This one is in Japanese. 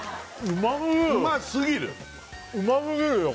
うますぎるよ